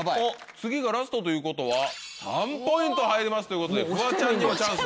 次がラストということは３ポイント入りますということでフワちゃんにもチャンス。